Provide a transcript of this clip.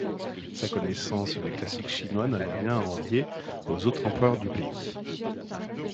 Sa connaissance des classiques chinois n’avait rien à envier aux autres empereurs du pays.